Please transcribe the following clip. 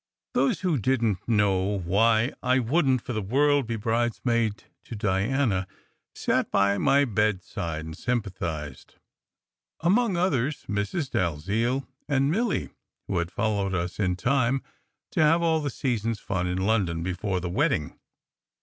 Those who didn t know why I wouldn t for the world be bridesmaid to Diana sat by my bedside and sympa thized, among others Mrs. Dalziel and Milly, who had fol lowed us in time to have all the season s fun in London before the wedding.